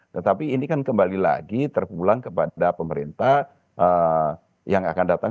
tetapi ini kan kembali lagi terpulang kepada pemerintah yang akan datang